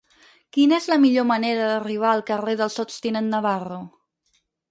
Quina és la millor manera d'arribar al carrer del Sots tinent Navarro?